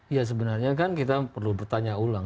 ya sebenarnya kan kita perlu bertanya ulang